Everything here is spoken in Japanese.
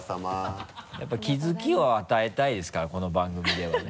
やっぱり気づきを与えたいですからこの番組ではね。